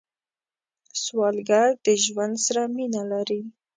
سوالګر د ژوند سره مینه لري